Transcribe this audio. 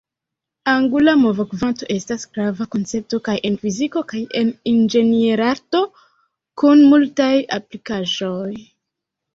Angula movokvanto estas grava koncepto kaj en fiziko kaj en inĝenierarto, kun multaj aplikaĵoj.